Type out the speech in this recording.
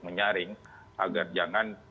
menyaring agar jangan